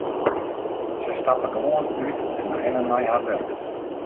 Se stappe gewoan út en rinne nei har wurk.